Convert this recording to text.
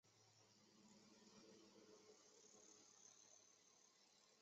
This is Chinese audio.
韩国海军在此设有军港设施和航空基地。